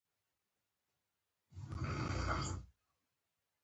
ځکه په تصادفي ډول بېلابېل جینټیکي بدلونونه یو ځای کیږي.